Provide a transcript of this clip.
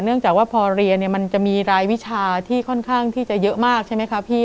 จากว่าพอเรียนมันจะมีรายวิชาที่ค่อนข้างที่จะเยอะมากใช่ไหมคะพี่